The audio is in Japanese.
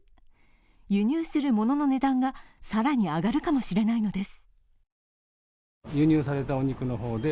輸入する物の値段が更に上がるかもしれないのです。